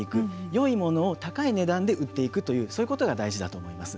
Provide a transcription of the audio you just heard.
よいものを高い値段で売っていくというそういうことが大事だと思います。